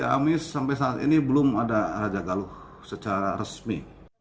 amis sampai saat ini belum ada raja galuh secara resmi